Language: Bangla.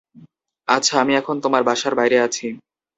আচ্ছা, আমি এখন তোমার বাসার বাইরে আছি।